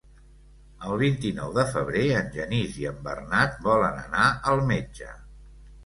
El vint-i-nou de febrer en Genís i en Bernat volen anar al metge.